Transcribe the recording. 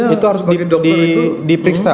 itu harus diperiksa